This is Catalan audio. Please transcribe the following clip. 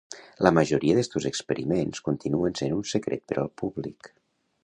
La majoria d'estos experiments continuen sent un secret per al públic.